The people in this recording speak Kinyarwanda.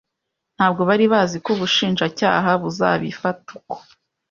ntabwo bari baziko ubushinjacyaha buzabifata uko